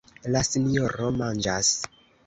La sinjoro manĝas.